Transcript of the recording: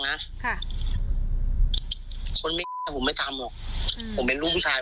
ค่ะคนไม่กล้าผมไม่ทำหรอกอืมผมเป็นลูกผู้ชาย